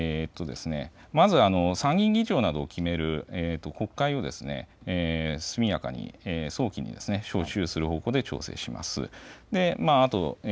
今後の政治日程ですけれどもまず参議院議長などを決める国会を速やかに、早期に招集する方向で調整します。